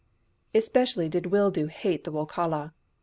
Especially did Wildoo hate the Wokala.